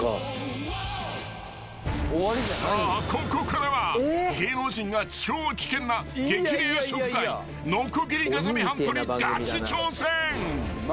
［さあここからは芸能人が超危険な激レア食材ノコギリガザミハントにがち挑戦］